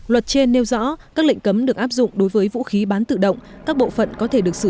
luật trên nêu rõ các lệnh cấm được áp dụng đối với vũ khí bán tự động các bộ phận có thể được sử dụng